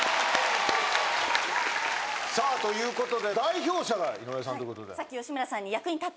さあということで代表者が井上さんってことで。